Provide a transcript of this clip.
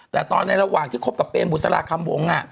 แต่ตอนในระหว่างที่คบกับเปรมบุษราคำวง